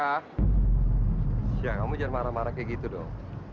ya kamu jangan marah marah kayak gitu dong